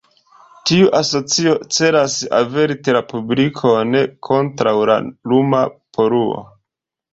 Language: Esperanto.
Tiu asocio celas averti la publikon kontraŭ la luma poluo.